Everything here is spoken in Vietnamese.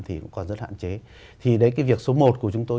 thì đấy cái việc số một của chúng tôi